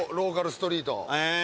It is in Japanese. ストリートええ